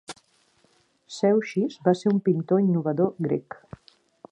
Zeuxis va ser un pintor innovador grec.